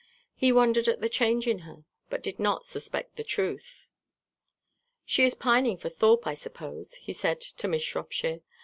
He wondered at the change in her, but did not suspect the truth. "She is pining for Thorpe, I suppose," he said to Miss Shropshire.